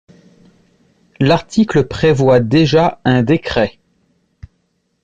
L’article prévoit déjà un décret.